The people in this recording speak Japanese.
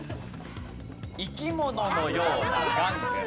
生き物のような玩具。